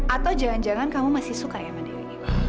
atau jangan jangan kamu masih suka ya sama dewi